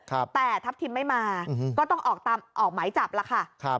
แต่ทัพทิมไม่มาก็ต้องออกออกหมายจับละค่ะ